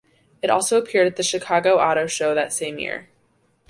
It also appeared at the Chicago Auto Show that same year.